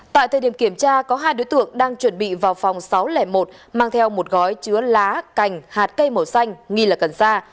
tại thời điểm kiểm tra có hai đối tượng đang chuẩn bị vào phòng sáu trăm linh một mang theo một gói chứa lá cành hạt cây màu xanh nghi là cần sa